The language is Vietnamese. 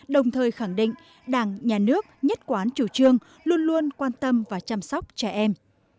đồng thời khẳng định đảng nhà nước nhất quán chủ trương luôn luôn quan tâm và chăm sóc trẻ em